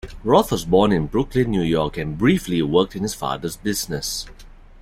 Roth was born in Brooklyn, New York and briefly worked in his father's business.